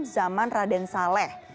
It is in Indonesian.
zaman raden saleh